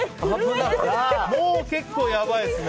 もう結構やばいですね。